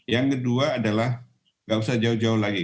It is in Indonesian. yang kedua adalah nggak usah jauh jauh lagi